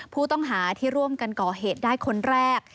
ผู้ต้องหาที่ร่วมกันก่อเหตุได้คนแรก